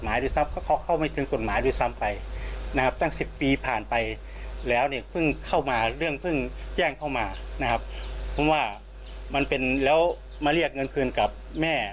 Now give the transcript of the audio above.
มันเป็นเงินที่มากนะครับสำหรับแม่